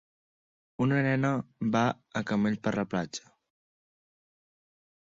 Una nena va a camell per la platja.